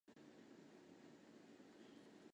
毕业于中央广播电视大学英语专业。